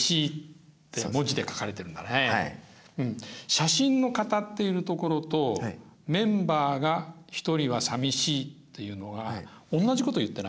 写真の語っているところと「メンバーが一人はさみしい」っていうのが同じこと言ってない？